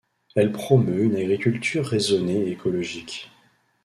Elle promeut une agriculture raisonnée et écologique.